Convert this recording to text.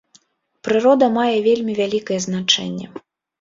Прырода мае вельмі вялікае значэнне.